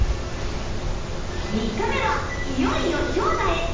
３日目はいよいよ氷河へ。